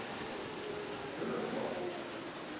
Je le crois.